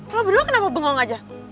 kalau berdua kenapa bengong aja